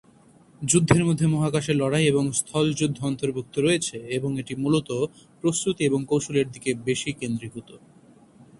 যুদ্ধের মধ্যে মহাকাশে লড়াই এবং স্থল যুদ্ধ অন্তর্ভুক্ত রয়েছে এবং এটি মুলত প্রস্তুতি এবং কৌশলের দিকে বেশি কেন্দ্রীভূত।